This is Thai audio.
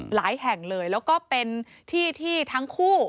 หลายแห่งเลยแล้วก็เป็นที่ที่ทั้งคู่